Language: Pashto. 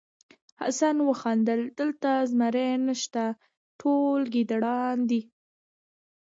حسن وخندل دلته زمری نشته ټول ګیدړان دي.